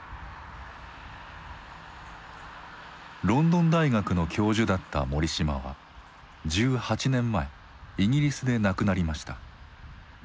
ロンドン大学の教授だった森嶋は１８年前イギリスで亡くなりました。